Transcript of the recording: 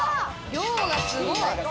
量がすごい。